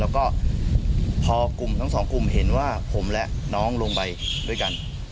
แล้วก็พอกลุ่มทั้งสองกลุ่มเห็นว่าผมและน้องลงไปด้วยกัน